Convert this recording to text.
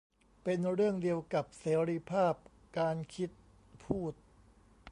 เป็นเรื่องเดียวกับเสรีภาพการคิด พูด